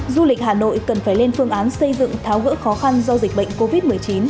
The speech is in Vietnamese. du lịch hà nội cần phải lên phương án xây dựng tháo gỡ khó khăn do dịch bệnh covid một mươi chín